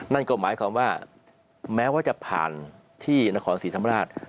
นั่นก็หมายความว่าแม้ว่าจะผ่านที่นครศรีธรรมราช